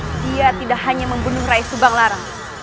dia tidak hanya membunuh raisubang lara